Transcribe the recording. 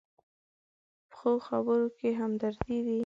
پخو خبرو کې همدردي وي